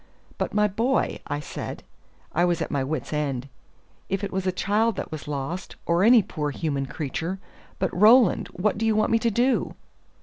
"But, my boy," I said (I was at my wits' end), "if it was a child that was lost, or any poor human creature but, Roland, what do you want me to do?"